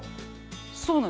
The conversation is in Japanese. そうなの。